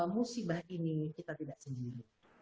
musibah ini kita tidak sendiri